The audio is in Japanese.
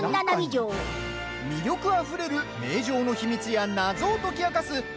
魅力あふれる名城の秘密や謎を解き明かす